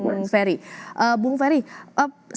bu ferry sebenarnya dari sisi saya